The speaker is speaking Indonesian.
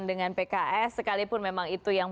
dengan pks sekalipun memang itu yang